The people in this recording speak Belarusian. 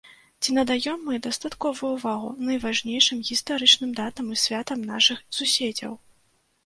Ці надаём мы дастатковую ўвагу найважнейшым гістарычным датам і святам нашых суседзяў?